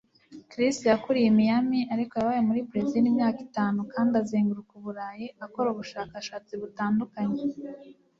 Chris yakuriye i Miami, ariko yabaye muri Berezile imyaka itanu kandi azenguruka u Burayi akora ubushakashatsi butandukanye.